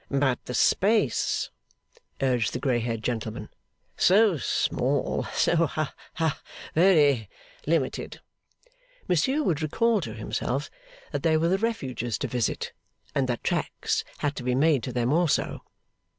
'But the space,' urged the grey haired gentleman. 'So small. So ha very limited.' Monsieur would recall to himself that there were the refuges to visit, and that tracks had to be made to them also.